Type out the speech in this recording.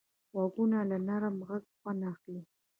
غوږونه له نرمه غږه خوند اخلي